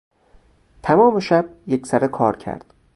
تمام شب یکسره کار کرد.